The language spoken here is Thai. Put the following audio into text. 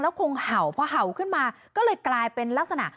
คงเห่าพอเห่าขึ้นมาก็เลยกลายเป็นลักษณะ